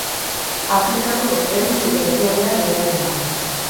Afrikako erdi eta ekialdean hedatzen da.